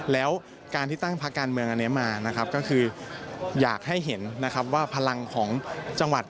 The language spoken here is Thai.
แล้วการที่ตั้งพักการเมืองอันนี้มานะครับก็คืออยากให้เห็นนะครับว่าพลังของจังหวัด